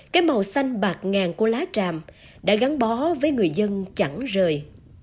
cây màu xanh bạc ngàn của lá tràm đã gắn bó với người dân chẳng rời